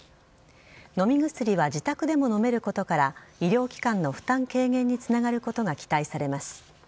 飲み薬は自宅でも飲めることから医療機関の負担軽減につながることが期待されます。